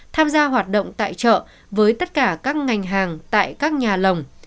tham gia hoạt động tại chợ với tất cả các ngành hàng tại các nhà lồng